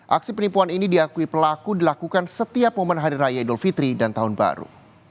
aksi penipuan ini diakui pelaku dilakukan setiap momen hari raya idul fitri dan tahun baru